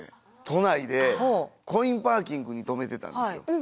都内でコインパーキングに止めてたんですよ。